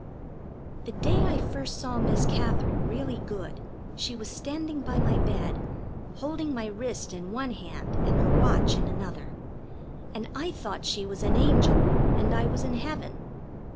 The day I first saw Miss Katherine really good she was standing by my bed, holding my wrist in one hand and her watch in another, and I thought she was an angel and I was in heaven.